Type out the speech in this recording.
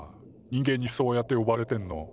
人間にそうやって呼ばれてんの。